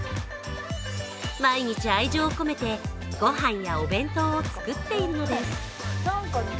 毎日愛情を込めて御飯やお弁当を作っているのです。